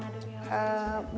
ada yang mengadakan apa